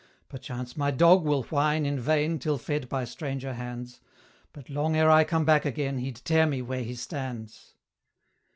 Perchance my dog will whine in vain Till fed by stranger hands; But long ere I come back again He'd tear me where he stands.